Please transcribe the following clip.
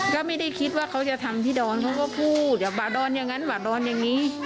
ก็ไม่ได้คิดว่าเขาจะทำที่ดอนเขาก็พูดอย่าบ่าดอนอย่างนั้นบาดอนอย่างนี้